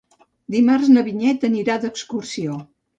Dimarts na Vinyet anirà d'excursió.